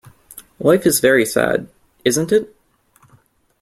Life is very sad, isn't it?